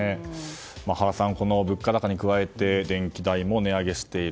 原さん、物価高に加えて電気代も値上げしている。